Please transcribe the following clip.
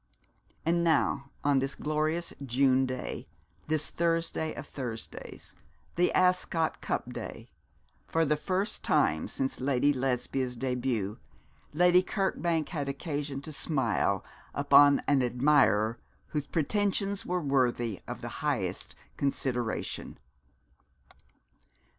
And now on this glorious June day, this Thursday of Thursdays, the Ascot Cup day, for the first time since Lesbia's début, Lady Kirkbank had occasion to smile upon an admirer whose pretensions were worthy of the highest consideration.